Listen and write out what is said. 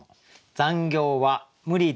「残業は無理です